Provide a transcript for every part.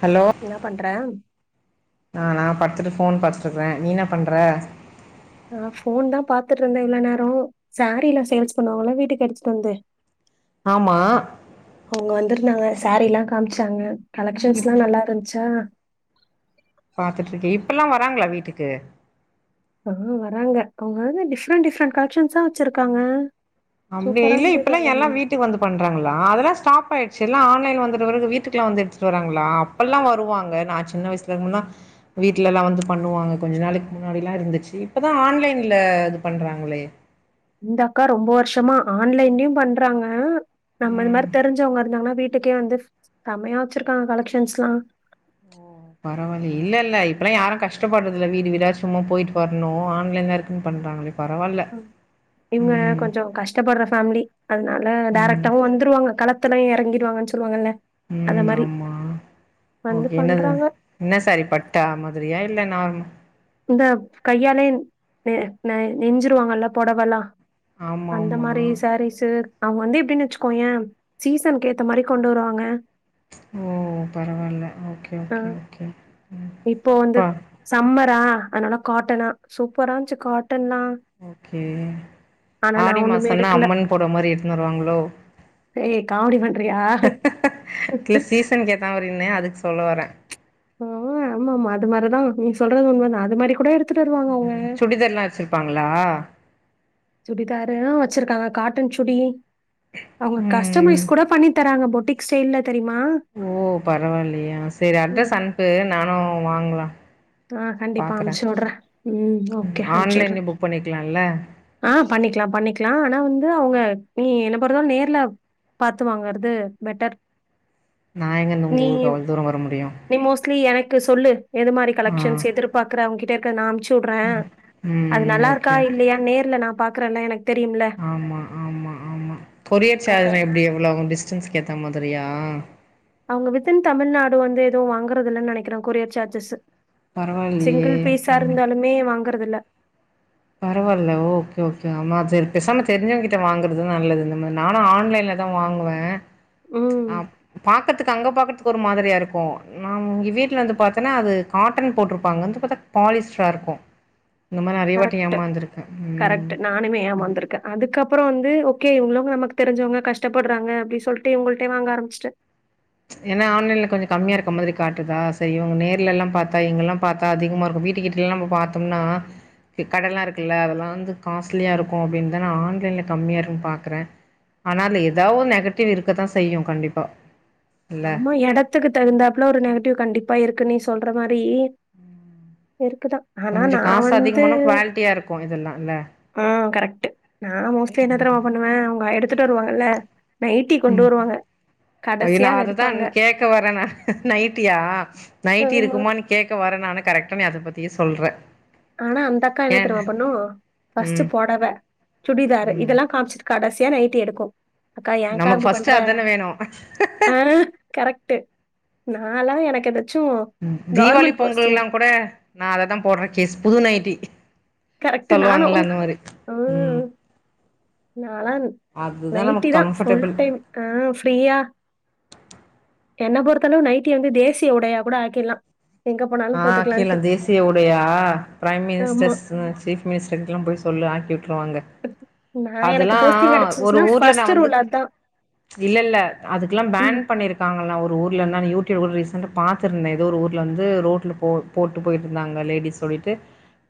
Hello என்ன பண்ற நானா படுத்துட்டு போன் பாத்துட்டுருக்கே நீ என்ன பண்ற ஆ போன் தா பாத்துட்டு இருந்தே இவ்ளோ நேரோ சாரீல சேல்ஸ் பண்ணுவாங்ள வீட்டுக்கு எடுத்துட்டு வந்து ஆமா வந்தாங்க சேரீல்லா காம்ச்சாங்க கலெக்க்ஷன்ஸ்ல்லா நல்லா இருந்ச்சா பாத்துட்டுரக்க இப்பெல்லா வராங்களா வீட் க்கு ஆ வராங்க அவங்க வந்து டிஃப்ரெண்ட் டிஃப்ரெண்ட் கலெக்க்ஷன்ஸா வச்சிருக்காங்க சூப்பரா [unintelligible] இருந்தது இப்பேல்லா எல்லா எல்லாமே. வீட்டுக்கு வந்து பண்றாங்ளா அதெல்லா ஸ்டாப் ஆயிச்சு எல்ல ஆன் ஆன்லைன் வந்த பிறகு வீட்டுக்கெல்லா வந்து எடுத்துட்டு வராங்களா அப்பல்லா வருவாங்க நா சின்ன வயசுலலா இ வீட்லலா வந்து பண்ணுவாங்க கொஞ்சூ நாளைக்கு முன்னாடிலா இருந்துச்சு இப்பதா ஆன்லைன்ல இது பண்றாங்களே இந்த அக்கா ரொம்ப வருஷமா ஆன்லைன்லயு பண்றாங்க நம்ம இந்த ம் மாரி தெரிஞ்சவங்க இருந்தாங்கன்னா வீ வீட்டுக்கே வந்து செம்மையா வச்சிருக்காங்க கலெக்ஷன்ஸ்லா பரவாலயே இல்ல இல்ல இப்பலா யாரு கஷ்டப்படுறதுல வீடு வீடா சும்மா போயிட்டு வரணு ஆன்லைன்ல இருக்குன்னு பண்றாங்களே பரவால்ல [unintelligible] இவங்க ம் கொஞ்சு கஷ்டப்படுற ஃபேமிலி அதனால ம் டேரக்டாவு வந்துருவாங்க கள த்துல இறங்கிறுவாங்க சொல்லுவாங்கள்ள உம் ஆமா வந்து ஓக்கே என்னது பண்றாங்க. என்ன சேரி பட்டா மாதிரியா இல்ல நார்மல் இந்த கையாலே நெ நை நெஞ்சிருவாங்கள்ள பொடவெல்லா ஆமா அந்த ஆமா மாரி சரீசு அவுங்க வந்து எப்டின்னு வெச்சுக்கோயே சீசனுக்கு ஏத்த மாரி கொண்டு வருவாங்க ஓ பரவால்ல ஓக்கே அ ஓக்கே ஓக்கே ம் பா ரா அதனால காட்டனா சூப்பரா இருந்துச்சு கா ஓக்கே ஆனா நா ஆடி ஒண்ணுமே மாசோனா எடுக்கல அம்மன் பொடவ மாரி எடுத்துனு வருவாங்களோ ஏய் காமெடி பண்றியா இல்ல சீசன் கேத்த மாரினே அது சொல்ல வரே ஆமா ஆமா ஆமா அது மாரிதா நீ சொல்றது உண்மை தான் அது மாரி கூட எடு சுடிதர்லா வச்சிருப்பாங்களா சுடிதாரு வச்சிருக்காங்க காட்டன் சுடி அவங்க ம் கஸ்டமைஸ் கூட பண்ணி தராங்க போ ட்டிக் ஸ்டைல்ல தெரியுமா ஓ பரவால்லயே செரி அட்ரஸ் அனுப்பு நானு வாங்கலா ஆஹ் கண்டிப்பா பாக்குறே அனுப்சு விடுற ம் ஓகே அனுப்சு விடுற ஆன்லைன்ல புக் பண்ணிக்கலால்ல ஆஹ் பண்ணிக்கலா பண்ணிக்கலா ஆனா வந்து அவுங்க நீ என்ன போறதாலு நேருல பாத்து வாங்கறது பெட்டர் நா எங்கன்னு நீ உங்க ஊருக்கு அவ்ளோ தூர வர முடியு கு சொல்லு எது மாரி க ஆ லெக்ஷன்ஸ் எதிர்பாக்கற அவுங்கிட்ட இரு க்க நா அனுப்ச் சு வுடுற அது ம் நல்லா இருக்கா ஓகே ஓகே இல்லையா நேருல நா பா க்குற நா எனக் ஆமா ஆமா ஆமா கொரியர் அத சார்ஜ் எப்டி எவ்ளோ வந்ச் கிச்சன்சுக்கு ஏத்த மாதிரியா அவுங்க வித்தின் தமிழ்நாடு வந்து எதுவூ வாங்கறது இல்லன்னு நினைக்கிற கொரியர் சார்ஜஸு பரவாயில்லையே சிங்கிள் பீஸா ம் இருந்தாலுமே வாங்கறது இல்ல பரவால்ல ஓகே ஓகே ஆமா செரி பேசாம தெரிஞ்சவங்க கிட்ட வாங்குறது நல்லது இந்த மா நானு ஆன்லைன்ல தா வாங்குவ ம். ஆம் பாக்கற்த்துக்கு அங்க பாக்கற்த்துக் ஒரு மாதிரியா இருக்கூ நா இங்க வீட்ல வந்து பாத்தனா அது காட்டன் போட்ருப்பாங்க இங்க வந்து பாத்தா பாலிஸ்ட்ராருக்கூ. நம்ம நெறய வாட் ட்டு கரக்ட்டு நானுமே ஏமாந்ருக்க அதுக்கப்றோ வந்து ஒ கே இவுங்களு நமக்கு தெரிஞ்சவங்க கஷ்டப்பட்றாங்க அப்டி சொல்ட்டு இவங்கள்ட்டயே வாங்க ஆரம்பிச்சிட்ட ம்ச் ஏன்னா ஆன்லைன்ல கொஞ்ஜொ கம்மியா இருக்க மாரி காட்டுதா சே இவங்க நேர்லலா பாத்தா இங்கலா பாத்தா அதிகமா இருக்கூ வீட்டு கிட்டல்லா நம்ம பாத்தம்னா க் கடல்லா இருக்குல்ல அதெல்லா வந்து காஸ்ட்லியா இருக்கூ அப்டின்தா நா ஆன்லைன்ல கம்மியா இருன் பாக்குற ஆனா அத்ல ஏதாவ் நெகட்டிவ் இருக்கதா செய்யு கண்டிப்பா இல்ல ஆமா எடத்துக்கு தகுந்தாப்ல ஒரு நெகட்டிவ் கண்டிப்பா இருக்குனே சொ சொல்ற மாரீ இருக்குதா ஆனா கொஞ்சோ நா காசு வந்தூ அதிகமான குவாலிட்டியா இருக்கு இதெல்லா இல்ல ஆ கரெக்ட்டு நா மோஸ்ட்லி என்ன தெருமா பண்ணுவ அவங்க எடு த்துட்டு வருவாங்கல்ல நைட்டி கொண்டு வருவாங்க கடசியா அதெடுத் தா கேக்க வர்ர நா நைட்டியா நைட்டி ஆமா. இருக்குமானு கேக்க வர்ரனா ஆனா கரெக்டா நீ அத பத்தியே சொல்ற ஆனா அந்த அக்கா என்ன ஏன் தெருமா பண்ணூ பர்ஸ்ட் ம் புடவ சுடிதாரு ம் இதெல்லா காம்ச்சுட் கடசி யா நைட்டி எடுக்கூ அக்கா ஏன்க்கா நமக்கு இப்டி ஃபர்ஸ்ட் பண்ற அதான வேணு ஆஹ் கரெக்ட்டு நா எல்லா எனக்கெது தீவாளி பொங்கல் லாங் குட நா அததா போட்ற கேஸ் புதுநைட்டி கரெக்ட்டு நானும். சொல்லுவாங்கள்ள அந்த மாரி ம் நாலான் அதுதா நமக்கு நைட்டிதா ஃபுல் கம்ஃபர்டபிள் டைம் ஆஹ் ஃப்ரிய்யா என்ன பொறுத்தளவு நைட்டிய வந்து தேசிய உடையா கூட ஆக்கிட்லா ஆ ஆக்கிலா தேசிய உடையா ப்ரைம் ஆமா மினிஸ்டர்ஸ் சீஃப் மினிஸ்டர்ட்லா பொய் சொல்லு ஆக்கி ட்றுவாங்க நான் எனக்கு அதுல்லா போஸ்டிங் ஒரு கிடைச்சிச்சுன்னா ஊர்ல நா ஃபர்ஸ்ட் வந்து ரூல் அதான் இல்லல்ல அதுக்குலா பேன் ம் பண்ணிருக்காங்கலா ஒரு ஊர் இல்ல நா யூடியூபு ரீசன்ட்டா பாத்துருந்தே ஏதோ ஒரு ஊர்லந்து ரோ [unintelligible] போ போட்டு பொயிட்டுந்தாங்க லேடிஸ் சொல்லிட்டு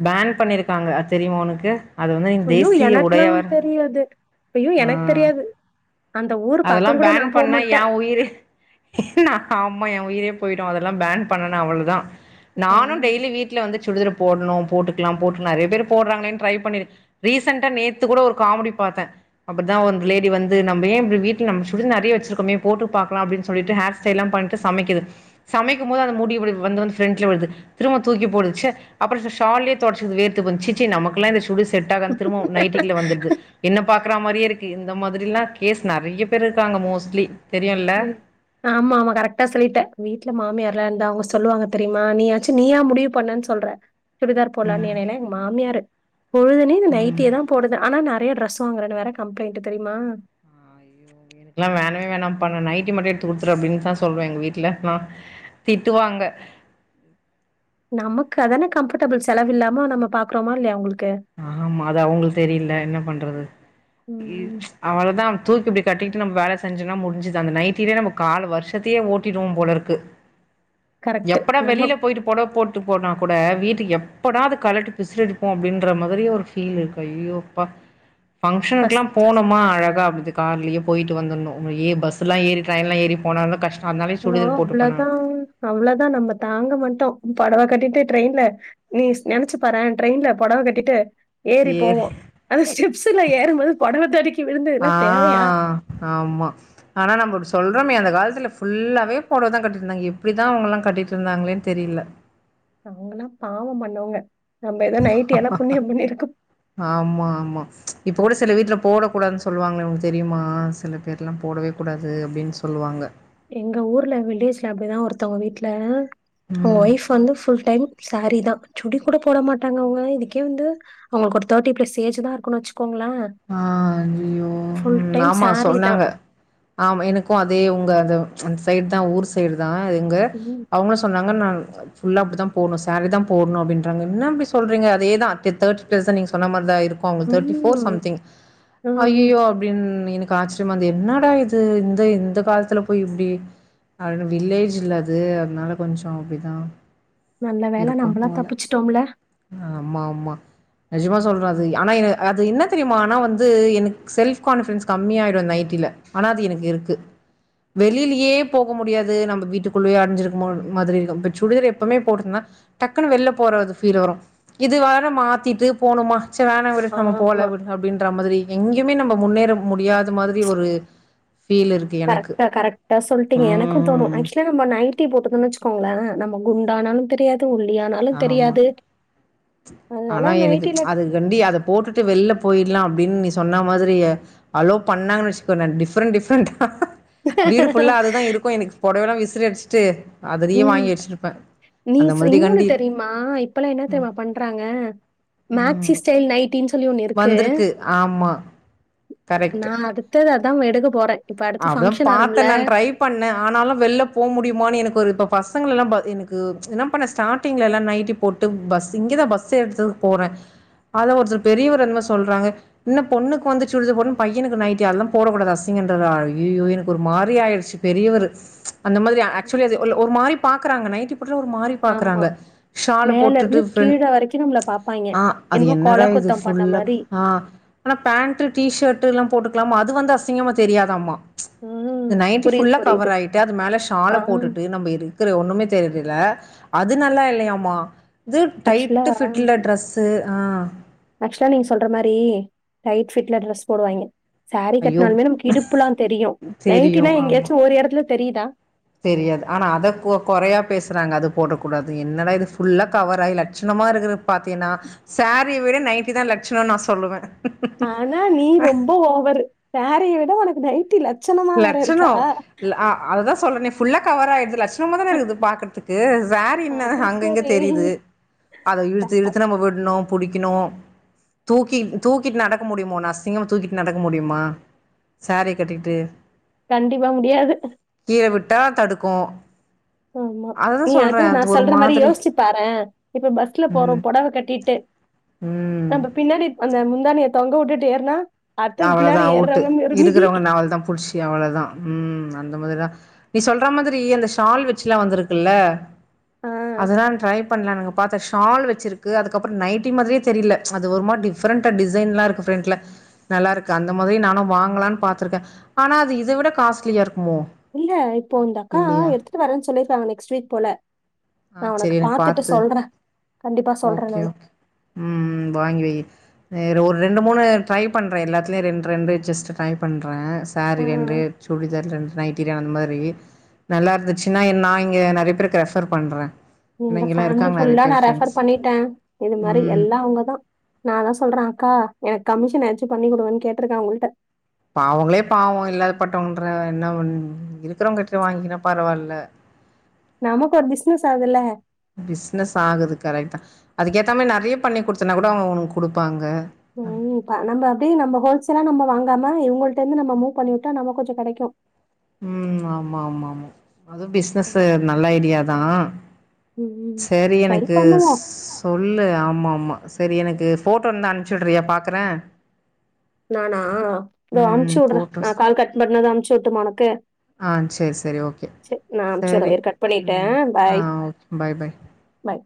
பேன் பண்ணிருக்காங்க அது தெரியுமா ஒனக்கு? அது வந்து ஐயோ தேசிய எனக்கெல்லாம் உடையவர் தெரியாது ஐயோ எனக்கு ஆஹ் தெரியாது அந்த ஊர் அதல்லா பக்கம் கூட பேன் நான் போக பண்ணா ஏ மாட்டேன் உயிரு நா ஆம்மா ஏன் உயிரே பொயி அதெல்லாம் பேன் பண்னன அவ்வொதா ஆ. நானூ டெய்லி வீட்ல வந்து சுடிதரு போட்ணோ போட்டுக்லா போட்டு நெறைய பேரு போடுறாங்கனேனு ட்ரைப் பண்ணி ரீசன்ட்டா நேத்து கூட ஒரு காமெடி பாத்தே அப்புட்தா ஒரு லேடி வந்து நம்ப ஏ வீட்ல நம் சுடிர் நெறைய்ய வச்சிருக்கமே போட்டூ பாக்லாம் அப்டின் சொல்லிட்டு ஹேர் ஸ்டைல்லா பண்ணிட்டு சமைக்குது. சமைக்கும்போது அந்த முடி விழு வந்து வந் ஃப்ரன்ட்ல விழ்து. திரும்பவு தூக்கி போடு ச்ச அப்றோ ஷல்லயே தொடச்சிக்குது வேர்த்துபோது சீச்சீ நமக்குலா இந்த சுடு செட் ஆகன் திரும்பவும் நைட்டிக்குல்ல வந்துர்து என்ன பாக்றா மாரியேருக் இந்த மாதிரில்லா கேஸ் நெறைய்ய பேர் இருக்காங்க மோஸ்ட்லி தெரியுல்ல உஹ்ம் ஆமா ஆமா கரெக்டா சொல்லிட்ட வி ட்டுல மாமியார்ல்லா இருந்தா அவங்க சொல்லுவங்க தெரியும்மா நீயாச்சு நீயா முடிவு பண்ண சொல்ற சுடிதார் போடலானு ம் நியரே மாம்மியாரு பொழுதுனேனு ம் நைட்டியதா போடுதுவே ஆனா நறைய ட்ரெஸ் [unintelligible] வேற கம்ப்ளைன்ட் தெரியுமா இதுக்குல்லா வெனவே வேணாப்ப நா நைட்டி மட்டு எடுத்து குடுத்துறு அப்பிடிந்தா சொல்றே எங்க வீட்டுல நா திட்டுவாங்க நமக்கு அதானே கம்ஃபடபுல் செலவில்லம நம்ம பாக்குறோமா இல்லையா அவுங்களுக் ஆமா அது அவங்களு தெரியல என்ன பண்றது லீ ம் அவளதா தூக்கி இப்டி கட்டிடு நம்ம வேல செஞ்ஜொனா முடிஞ்ஜுது அந்த நைட்டில நம்ம கால வருஷத்தையே ஓட்டிடுவோ போலருக்கு கரெக்ட். எப்படா நம்ம வெளியில போயிட்டு பொடவபொட் ட்டு போனா கூட வீடிக்கி எப்படாது கலடி பிஸ்லடிபோ அப்டின்னு ன்ற மாதிரி ஒரு ஃபீல் இருக்கு ஐஐயோப்பா ஃபங்க்ஷனுக்லா ஃபர்ஸ்ட் போணொமா அழகா அந்து கார்லயே போயிட்டு வந்துனு ஏய் பஸ்லா ஏறி ட்ரைன்லா ஏறி போனான கஷ்ட் ஆஹ் அவ்ளோ தா அவளோதா நம்ம தாங்க மட்டோ போடவா கட்டிடு ட்ரெயின்ல நீஸ் நெனைச்சு பாறே ட்ரெயின்ல போடவ கட்டிடு ஏறி போவோ ஆ ஸ்டெப்ஸுல்ல ஏறும்போது போடவா தடிக்கி விழுந்து இதல்லா ஆ தேவையா சிவமி அந்த காலத்துல ஃபுல்லாவே போடவதா கட்டிடு இருந்தாங்க எப்டிதா அவுங்கலா கட்டிடு இருந்தாங்களே தெரில அவுங்கன பாவொ பண்ணவங்க நம்ம ஏதோ நைட்டி எல்லாம் புண்ணியம் பண்ணியிருக்கோம். ஆம்மா ஆமா இப் போலீஸ்சேல்ல வீட்ல போடக்கூடான்னு சொல்லுவாங்க இவுங்க தெரியுமா சில பேர்லா போடவே கூடாது அப்டின்னு சொல்லுவாங்க எங்க ஊர்ல விலேஜ்ல அப்டிதா ஒருத்தவங்க வீட்ல ஓ ம் ஒய்ஃப் வந்து ஃபுள் டைம் சாரி தா சுடி கூட போட மாட்டாங்க அவுங்க இதுகே வந்து அவுங்க கோத்தவாடி [unintelligible] ஆஆ ஐஐயோ ஃபுல் ம் டைம் ஆமா சாரி சொன்னாங்க தான். ஆம எனக்கு அதே உங்க அது அன் சைட் தா ஊர் சயிரு தா எங்க ம். அவங்களு சொல்றாங்க நான் ஃபுல்லா அப்டிதா போணு சாரி தா போட்ணு அப்டின்றாங்க என்ன அப்டி சொல்றீங்க அதேதா [unintelligible] நீங்க சொன்ன மாரி தா ஆயிருது அவங்க தேர்ட்டி போர்ஸ் ம். சம்திங் ம். ஐயயோ அப்டின்னு எனக் கு ஆச்ரிமா இருந்து என்னடா இது இந்த இந்த காலத்துல போய் இப்டி அட வில்லேஜ்ல அது அதனால கொஞ்ச அப்டிதா நல்ல வேல இருக்கும் நம்பலா போல தப்பிச்சிட்டோம்ல நெஜமா சொல்றே அது ஆனா அது என்னா த்ரியமா ஆனா வந்து எனக்கு செல்ஃப் கான்பிடன்ஸ் கம்மியாயிடு நைட்டில ஆனா அது எனக்கு இருக்கு வெளிலியே போக முடியாது நம்ப வீட்டுக்குள்ளே அடஞ்சிருக்மார் மாதிரி நாம சுடிதர் எப்பமே போட்டிந்தா டக்குன்னு வெளியில போறது ஃபீல் வரும் இது வர மாத்திட்டு போணுமா சர் வேணா விடு நாம போல ஆமா. வி ன்ற மாதிரி எங்கேயுமே நம்ம முன்னேற முடியாத மாதிரி ஒரு ஃபீல் இருக்கு எனக்கு. கரெக்டா கரெக்டா சொல்டீங்க எனக்கும் தோணும் ம். ஆக்சுவலா நம்ம நைட்டி போட்டுதுன்னு வச்சுக்கோங்களா நம்ம குண்ட ஆனாலும் தெரியாது ஒல்லியா ஆனாலும் ஆமா. தெரியாது அதனால ஆனா எனக்கு நைட்டில அது கண்டி அதை போட்டுட்டு வெளில போயிடலாம் அப்படின்னு நீ சொன்ன மாதிரி அலோவ் பண்ணா வச்சுக்கோ நா டிஃப்ரெண்ட் டிஃப்ரெண்ட்டா வீடு ஃபுல்லா அதுதா இருக்கு எனக்கு பொடவல்லா வி அசரிடிச்சட்டு உம் நீஸ் மாதிரி இன்னொ ஒன்னு கண்டி தெரியுமா இப்பல்லா என்ன தெரியுமா பண் றாங்க ம் மேக்சி ஸ்டைல் நைட்டின் சொல்லி ஒண்ணு இருக்கு வந்திருக்கு ஆமா நான் அடுத்தத அ தான் வடுக்கு போறேன் இப்ப அடுத்து அப்பதான் ஃபங்ஷன் வரும்ல. பாத்தேன் நான் ட்ரை பண்ணேன் ஆனாலும் வெளில போ முடியுமான்னு எனக்கு ஒரு இப்ப பசங்களல்லா ப எனுக்கு என்ன பண்ண ஸ்டாடிங்ல எல்லா நைட்டி போட்டு பஸ் இங்கதா பஸ் எடுத்ததுக் போறே அத ஒருத்ரு பெரியவரு என்மோ சொல்றாங்க இன்னு பொண்ணுக் வந்து சுடிதா போணு பையனுக்கு நைட்டி அதல்லா போடக்கூடாது அசிங் [unintelligible] அய்யயோ எனக்கு ஒரு மாதிரி ஆயிடுச்சு பெரியவர் அந்த மாதிரி ஆக்சுவலி ஒரு மாதிரி பாக்றாங்க நை அப்படி ஒரு மாதிரி ஆமா. பாக்குறாங்க. ஷாலை போட்டுட்டு மேலருந்து ஃபிரண் கீழ வரைக்கும் நம்மள பாப்பாய்ங்க. அ அது என்னமோ என்னடா கோலா இது குத்தம் பண்ண ஃபுல்லா மாரி. ஆனா பேண்ட், டீசர்ட் எல்லாம் போட்டு ல அது வந்து அசிங்கம் தெரியாதம்மா ம். இந்த நைன்ட்டி புரியுது, ஃபுல்லா புரியுது. கவர் ஆயிட்டு அது மேல ஷால ஆ. போட்டுட்டு நம்ம இருக்கிற ஒண்ணுமே தெரியலல அது நல்லா இல்லையமா இது டைட்டு ஆக்சுவலா ஃபிட்ல ட்ரெஸ்ஸு ஆஹ் ஆக்சுவலா நீங்க சொல்ற மாரி டைட் ஃபிட்ல டிரரெஸ் போடுவாங்க சாரீ ஐயோ! கட்டினாலுமே நமக்கு இடுப்புலாம் தெரியும் நைட்டினா தெரியும். ஆமா. எங்கயாச்சும் ஒரு இடத்துல தெரியுதா தெரியாது ஆனா அத குறையா பேசுறாங்க அது போடக்க கூடாது என்னடா இது ஃபுல்லா கவர் ஆயி லட்சணமா இருறது பாத்தீங்கன்னா சாரீ விட நைட்டி தான் லட்சணம் நான் சொல்லுவேன் ஆனா நீ ரொம்ப ஓவரு சரீய விட உனக்கு நைட்டி இல லட்சணம் ல அதுதான் சொல்றே ஃபுல்லா கவர் ஆயிருதுலாச் த்தமா தான இருக்குது பாக்கறதுக் [unintelligible] வேறு என்ன அது அங்கங்க சரி. தெரியுது அத இழுத்து இழுத்து நம்ம விடணும் புடிக்கணு தூக்கி தூக்கிட்டு நடக்க முடியுமா உன்ன அசிங்கமா தூக்கிட்டு நடக்க முடியுமா சாரி கட்டிட்டு கண்டிப்பா முடியாது கீழ விட்டா தடுக்கு ஆமா அததா நீ சொல்றே அதுவு நா அது ஒரு சொல்ற மாரி மாதிரி யோசிச்சு பாறே இப்ப பஸ்ல போறோ ம் பொடவ கட்டிட்டு ம் நம்ம பின்னாடி அந்த முந்தாணய தொங்க விட்டுட்டு ஏறுனா அடுத்தது அவள தா பின்னாடி அவுட்டு ஏறுறவங்க ஒரு மிதி. இருக்கறவங்க அவளதா புடிச்சி அவளதா உம் அந்த மாதிரி தா நீ சொல்ற மாதிரி அந்த ஷால் வெச்சுலா வந்திருக்குல்ல ஆ. அதுதா ட்ரை பண்லா நா பாத்தே ஷால் வச்சிருக்கு அதுக்கப்பறோ நைட்டி மாதிரியே தெரியல அது ஒரு மாரி டிஃப்ரென்ட்டா டிசைன்லா இருக்கு ஃப்ரண்ட்ல நல்லா இருக்கு அந்த மாதிரி நானு வாங்கலான்னு பாத்திருக்க ஆனா அது இத விட காஸ்ட்லியா இருக் இல்ல இப்போ இந்த அக்கா எடுத்துட்டு வரேன்னு சொல்லியிருக்கங்க நெக்ஸ்ட் வீக் போல ஆ நா உனக்கு சரி எனக்கு பாத்துட்டு பாத்து சொல்றே ஓகே ஓகே உம் வாங்கி வை ஒரு ரெண்டு மூணு ட்ரை பண்றே எல்லாத்துலையு ரெண்டு ரெண்டு ஜஸ்ட்டு ட்ரை பண்றே ஆ சாரி ரெண்டு சுடிதர் ரெண்டு நைட் டிரியா அந்த மாரி நல்லா இருந்துச்சுன்னா நா இங்க நெறைய பேருக்கு ரெஃபர் பண்றே உங்க பேமிலி ஃபுல்லா நா ரெஃபர் பண்ணி பண்ணிட்டே இந்த மாரி ம். எல்லா அவங்கதா நா தா சொல்றே அக்கா எனக்கு கமிஷனயாச்சு பண்ணி கொடுங்கன்னு கேட்டிருக்கே அவங்கிட்ட பா அவங்களே பாவோ இல்லாத பட்டவங்கன்ற என்ன இருக்கிறவங்க கிட்ட வாங்கிகிற பரவால்ல நமக்கு ஒரு பிசினஸ் ஆதுல்ல அதுக் ஏத்த மாரி நெறைய பண்ணி குடுத்தன்னா கூட அவங்க உனக் குடுப்பாங்க உம் ப நம்ப அப்டியே நம்ம ஹோல்சேலா நம்ம வாங்காம் இவங்ள்கட்ட இருந்து நம்ம மூவ் பண்ணி விட்டா நம்ம கொஞ்ச கெடைக்கு உம் ஆமா ஆமா ஆமா அதுவு ம், பிசினஸு நல்ல ஐடியா தா ம். சரி ட்ரை எனக்கு சொ பண்ணுவோம். சொல்லு ஆமா ஆமா சரி எனக்கு போட்டோ இருந்தா அனுப்ச்சிவிடுரைய பாக்குற நானா இதோ அனுப்ச்சிவிடுற நா கால் கட் பண்ணது அனுப்ச்சு விட்டுமா உனக்கு ஆஹ் சரி சரி ஓகே சரி நான் சரி அனுப்பிச்சுடுறேன். இரு கட் ம் பண்ணிட்டேன். ஆ பாய். ஓகே பாய் பாய் பாய்.